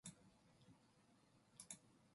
수백 명의 여학생들이 행렬을 지어 이리로 왔다.